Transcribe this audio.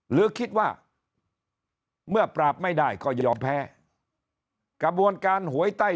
หรือคิดว่าเมื่อปราบไม่ได้ก็ยอมแพ้กระบวนการหวยใต้